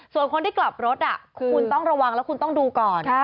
ส่วนคนที่กลับรถคุณต้องระวังแล้วคุณต้องดูก่อน